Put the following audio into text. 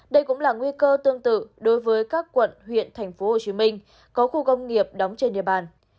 đây cũng là nguy cơ tương tự đối với các quận huyện tp hcm có khu công nghiệp đóng trên địa bàn